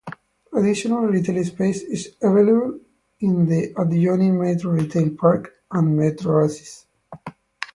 Additional retail space is available in the adjoining Metro Retail Park and MetrOasis.